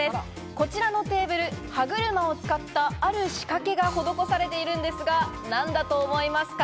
こちらのテーブル、歯車を使った、ある仕掛けが施されているんですが、何だと思いますか？